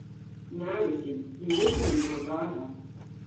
Na wrussyn. Ny wrussyn ni mordardha.